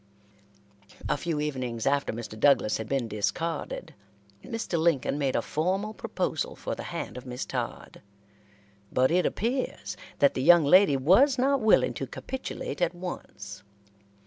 A few evenings after Mr. Douglas had been discarded, Mr. Lincoln made a formal proposal for the hand of Miss Todd, but it appears that the young lady was not willing to capitulate at once.